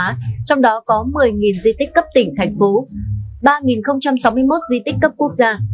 trong đó có một mươi di tích cấp tỉnh thành phố ba sáu mươi một di tích cấp quốc gia